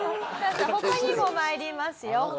他にも参りますよ。